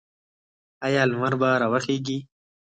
آیا لمر به راوخیږي؟